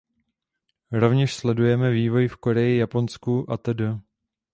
Rovněž sledujeme vývoj v Koreji, Japonsku atd.